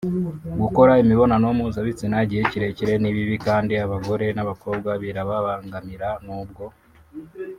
Gukora imibonano mpuzabitsina igihe kirekire ni bibi kandi abagore n’abakobwa birababangamira n’ubwo